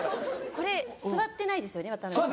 座ってないですよね渡辺さん。